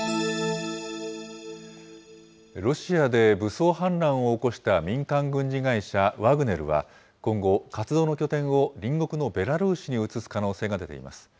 ロシアで武装反乱を起こした民間軍事会社ワグネルは、今後、活動の拠点を隣国のベラルーシに移す可能性が出ています。